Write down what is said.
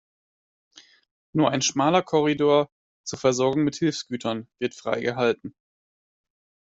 Nur ein schmaler Korridor zur Versorgung mit Hilfsgütern wird freigehalten.